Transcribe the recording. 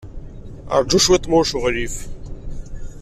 Ṛju cwiṭ, ma ulac aɣilif.